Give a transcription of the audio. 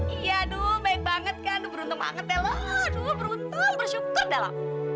iya aduh baik banget kan beruntung banget deh lo aduh beruntung bersyukur dah lo